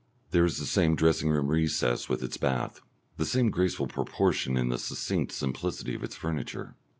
There is the same dressing room recess with its bath, the same graceful proportion in the succinct simplicity of its furniture.